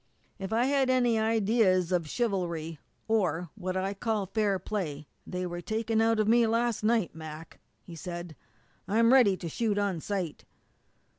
"If I had any ideas of chivalry, or what I call fair play, they were taken out of me last night, Mac," he said. "I'm ready to shoot on sight!"